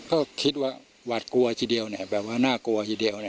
ก็คิดว่าหวาดกลัวทีเดียวแบบว่าน่ากลัวทีเดียว